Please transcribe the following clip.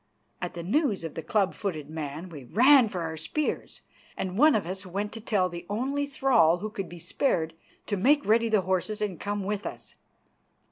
At the news of the club footed man, we ran for our spears, and one of us went to tell the only thrall who could be spared to make ready the horses and come with us.